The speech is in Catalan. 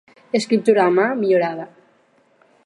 Escriptura a mà millorada: